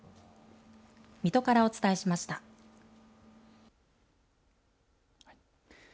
水戸からお伝えしました。